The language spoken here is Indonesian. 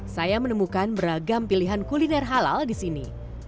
saya menemukan beragam pilihan kuliner halal di sini